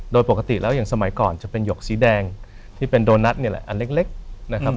โดยปกติแล้วอย่างสมัยก่อนจะเป็นหยกสีแดงที่เป็นโดนัทเนี่ยแหละอันเล็กนะครับ